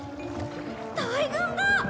大群だ！